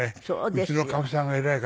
うちのかみさんが偉いからね。